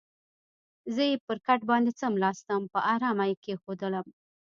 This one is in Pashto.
زه یې پر کټ باندې څملاستم، په آرامه یې کېښودلم.